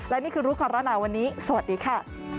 และนี่คือรุ่นคอนโรนาวันนี้สวัสดีค่ะ